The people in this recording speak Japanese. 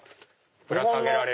ぶら下げられる。